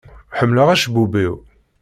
Ḥemmleɣ acebbub-iw.